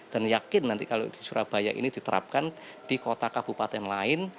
yakin nanti kalau di surabaya ini diterapkan di kota kabupaten lain